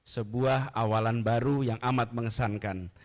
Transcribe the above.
sebuah awalan baru yang amat mengesankan